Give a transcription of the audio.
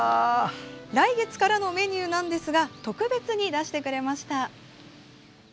来月からのメニューなんですが特別に出してくれました。